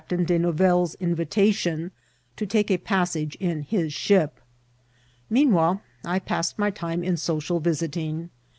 Cifrtain De Nouvelle's inYitation to take a paasage ia his ship. Meanwhile I pamed my time in social visiting.